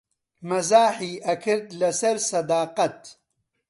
مەزاحی ئەکرد لەسەر سەداقەت